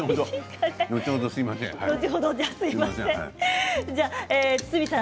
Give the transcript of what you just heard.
後ほど、すみません。